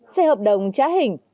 xe hợp đồng trái hình